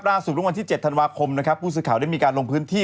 หรือวันที่๗ธันวาคมนะครับผู้สื่อข่าวได้มีการลงพื้นที่